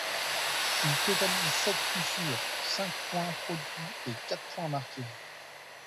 Il totalise sept coups sûrs, cinq points produits et quatre points marqués.